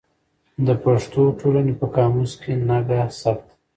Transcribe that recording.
د پښتو ټولنې په قاموس کې نګه ثبت ده.